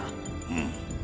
うん。